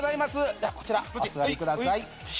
じゃあこちらお座りください。